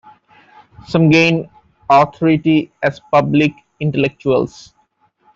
Some gain authority as public intellectuals.